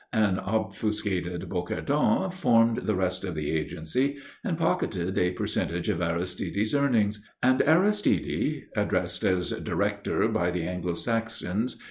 An obfuscated Bocardon formed the rest of the agency and pocketed a percentage of Aristide's earnings, and Aristide, addressed as "Director" by the Anglo Saxons, "M.